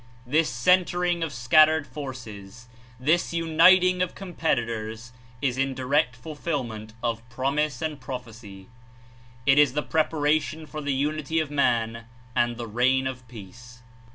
This centering of scattered forces, this uniting of com petitors is in direct fulfilment of promise and pro phecy; It Is the preparation for the unity of man and the reign of peace.